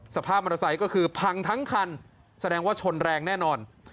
สภาพมอเตอร์ไซค์ก็คือพังทั้งคันแสดงว่าชนแรงแน่นอน